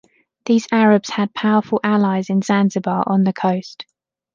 These Arabs had powerful allies in Zanzibar on the coast.